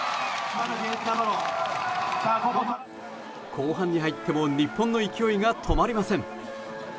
後半に入っても日本の勢いが止まりません。